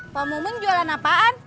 pemumun jualan apaan